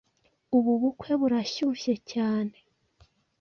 Ubu bukwe burashyushye cyane